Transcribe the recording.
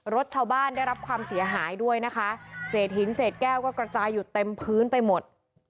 รถชาวบ้านได้รับความเสียหายด้วยนะคะเศษหินเศษแก้วก็กระจายอยู่เต็มพื้นไปหมด